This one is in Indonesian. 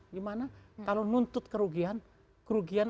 gimana kalau nuntut kerugian